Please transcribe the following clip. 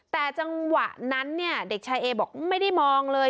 แต่จังหวะนั้นเนี่ยเด็กชายเอบอกไม่ได้มองเลย